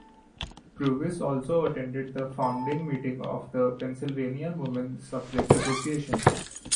Purvis also attended the founding meeting of the Pennsylvania Woman Suffrage Association.